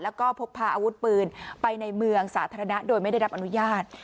แล้วก็พกพาอาวุธปืนไปในเมืองสาธารณะโดยไม่ได้รับอนุญาต